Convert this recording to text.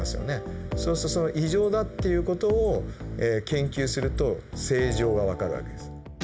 そうするとその異常だっていう事を研究すると正常がわかる訳です。